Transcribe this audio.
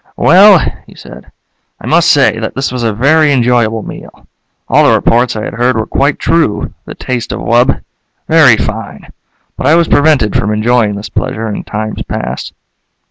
"Well," he said. "I must say that this was a very enjoyable meal. All the reports I had heard were quite true the taste of wub. Very fine. But I was prevented from enjoying this pleasure in times past."